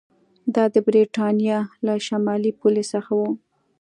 دا د برېټانیا له شمالي پولې څخه و